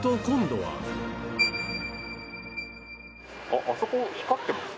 あっあそこ光ってます？